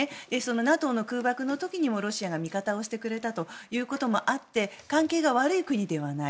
ＮＡＴＯの空爆の時にもロシアが味方をしてくれたということもあって関係が悪い国ではない。